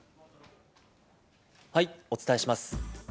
お伝えします。